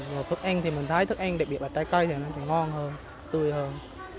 và thức ăn thì mình thấy thức ăn đặc biệt là trái cây thì nó sẽ ngon hơn tươi hơn